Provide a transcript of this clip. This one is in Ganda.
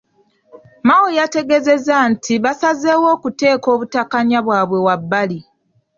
Mao yategeezezza nti basazeewo okuteeka obutakkaanya bwabwe wabbali.